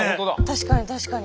確かに確かに。